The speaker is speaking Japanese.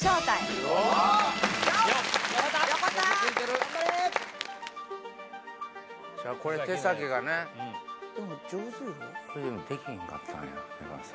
それでもできひんかったんや出川さん。